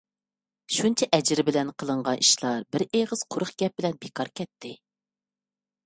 شۇنچە ئەجرى بىلەن قىلىنغان ئىشلار بىر ئېغىز قۇرۇق گەپ بىلەن بىكار كەتتى.